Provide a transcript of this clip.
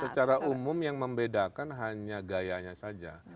secara umum yang membedakan hanya gayanya saja